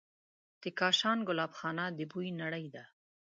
د کاشان ګلابخانه د بوی نړۍ ده.